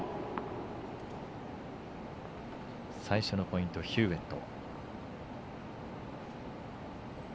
最初のポイント、ヒューウェット。